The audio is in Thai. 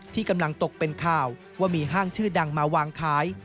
ที่กำลังตกเป็นข่าวว่ามีห้างชื่อดังมาวางขาย